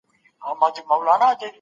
غوسه مه کوه، ارام اوسېدل روغتيا ده